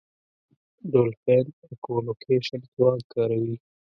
ډولفین اکولوکېشن ځواک کاروي.